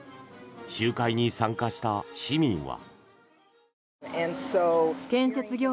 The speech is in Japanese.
集会に参加した市民は。